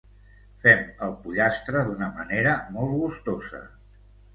Fem el pollastre d'una manera molt gustosa.